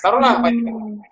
tau gak apa apa ini kan